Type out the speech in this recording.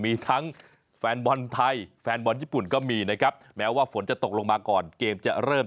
มีทั้งแฟนบอลไทยแฟนบอลญี่ปุ่นก็มีนะครับแม้ว่าฝนจะตกลงมาก่อนเกมจะเริ่ม